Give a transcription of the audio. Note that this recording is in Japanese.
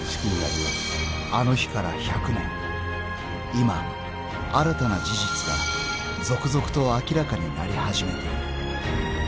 ［今新たな事実が続々と明らかになり始めている］